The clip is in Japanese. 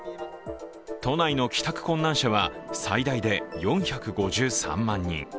都内の帰宅困難者は最大で４５３万人。